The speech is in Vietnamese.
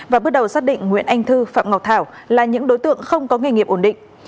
và bước đầu xác định nguyễn anh thư phạm ngọc thảo là những đối tượng không có nghề nghiệp ổn định